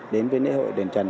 đến với nễ hội đền trần